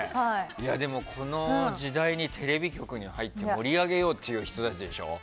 でもこの時代にテレビ局に入って盛り上げようっていう人たちでしょ。